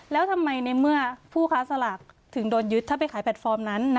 แล้วทำไมในเมื่อผู้ค้าสลากถึงโดนยึดถ้าไปขายแพลตฟอร์มนั้น